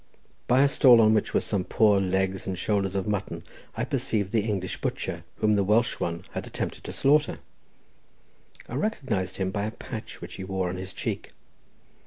By a stall, on which were some poor legs and shoulders of mutton, I perceived the English butcher, whom the Welsh one had attempted to slaughter. I recognised him by a patch which he wore on his cheek.